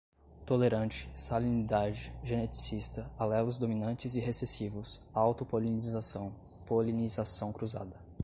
tolerante, salinidade, geneticista, alelos dominantes e recessivos, autopolinização, polinização cruzada